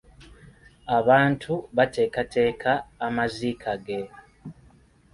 Abantu baateekateeka amaziika ge.